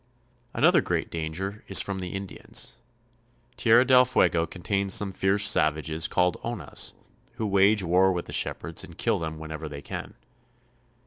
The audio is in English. Another great danger is from the Indians. Tierra del Fuego contains some fierce savages called Onas, who wage war with the shepherds and kill them whenever they can.